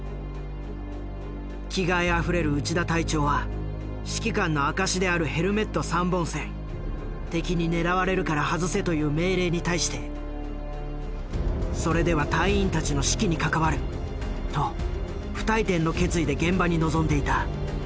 気概あふれる内田隊長は指揮官の証しであるヘルメット３本線「敵に狙われるから外せ」という命令に対してそれでは隊員たちの士気に関わると不退転の決意で現場に臨んでいた。